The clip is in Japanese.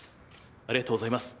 ありがとうございます。